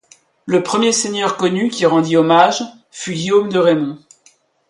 Le premier seigneur connu qui rendit hommage fut Guillaume de Raymond.